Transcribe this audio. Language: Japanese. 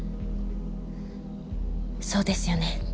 そうですよね。